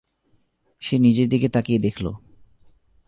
সে নিজের দিকে তাকিয়ে দেখল।